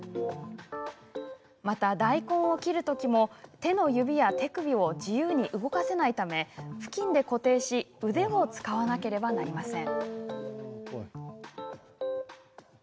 また、大根を切るときも手の指や手首を自由に動かせないため布巾で固定し腕を使わなければなりません。